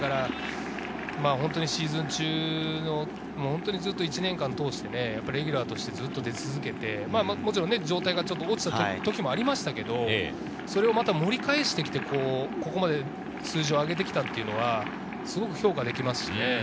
シーズン中の１年間を通してレギュラーとして出続けて、状態が落ちた時もありましたけれど、盛り返してきてここまでの数字を上げてきたというのは、すごく評価できます。